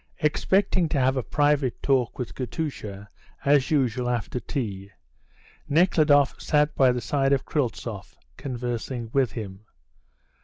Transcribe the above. Expecting to have a private talk with Katusha, as usual, after tea, Nekhludoff sat by the side of Kryltzoff, conversing with him.